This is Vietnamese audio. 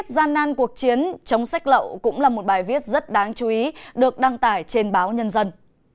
gian nan cuộc chiến chống sách lậu cũng là một bài viết rất đáng chú ý được đăng tải trên báo nhân dân